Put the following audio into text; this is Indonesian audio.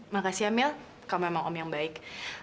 makasih ya mil kamu memang om yang baik